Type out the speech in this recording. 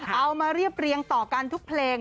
เอามาเรียบเรียงต่อกันทุกเพลง